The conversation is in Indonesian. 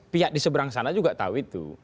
pihak di seberang sana juga tahu itu